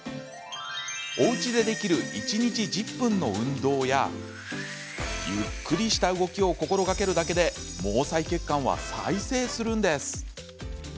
おうちでできる１日１０分の運動やゆっくりした動きを心がけるだけで毛細血管は再生するんです。